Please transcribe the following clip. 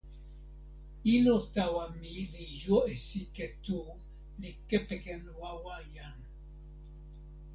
ilo tawa mi li jo e sike tu li kepeken wawa jan.